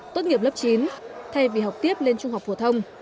tốt nghiệp lớp chín thay vì học tiếp lên trung học phổ thông